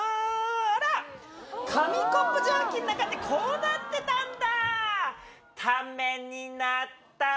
あら、紙コップ自販機の中ってこうなってたんだ。